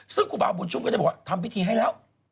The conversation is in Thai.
ซึ่งครูบาบุญชุมก็ได้บอกว่าทำพิธีให้แล้ว